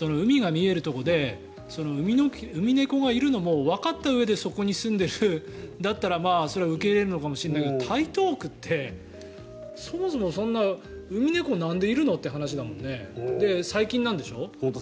海が見えるところでウミネコがいるのもわかったうえでそこに住んでいるんだったら受け入れるのかもしれないけど台東区ってそもそもそんなウミネコなんでいるの？という話なのでで、最近なんでしょう？